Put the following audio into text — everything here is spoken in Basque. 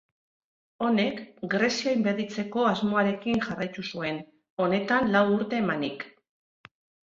Honek, Grezia inbaditzeko asmoarekin jarraitu zuen, honetan lau urte emanik.